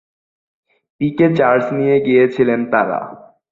পিকে charge নিয়ে গিয়েছিলেন তারা।